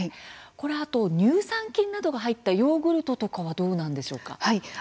あと、乳酸菌などが入ったヨーグルトとかはどうなんでしょうか。